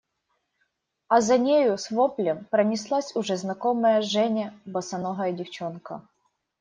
А за нею с воплем пронеслась уже знакомая Жене босоногая девчонка.